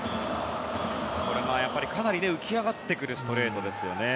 これはかなり浮き上がってくるストレートですよね。